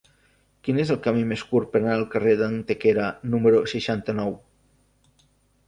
Quin és el camí més curt per anar al carrer d'Antequera número seixanta-nou?